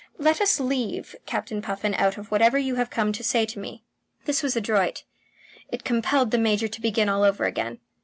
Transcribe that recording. Let us leave Captain Puffin out of whatever you have come to say to me." This was adroit; it compelled the Major to begin all over again.